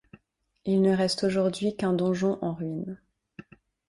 Il ne reste aujourd'hui qu'un donjon en ruine.